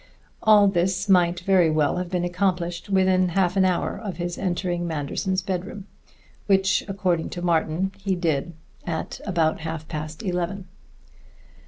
All this might very well have been accomplished within half an hour of his entering Manderson's bedroom, which according to Martin he did at about half past eleven.